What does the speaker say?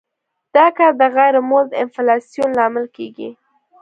دا کار د غیر مولد انفلاسیون لامل کیږي.